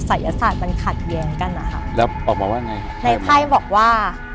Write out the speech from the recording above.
ศัยศาสตร์มันขัดแย้งกันอ่ะค่ะแล้วออกมาว่าไงในไพ่บอกว่า